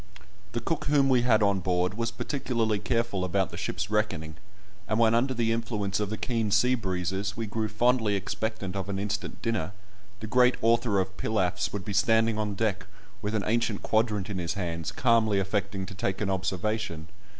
The cook whom we had on board was particularly careful about the ship's reckoning, and when under the influence of the keen sea breezes we grew fondly expectant of an instant dinner, the great author of pilafs would be standing on deck with an ancient quadrant in his hands, calmly affecting to take an observation.